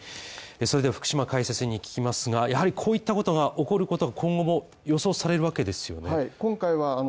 逃げてください福島解説委員に聞きますがやはりこういったことが起こることが今後も予想されるわけですよね。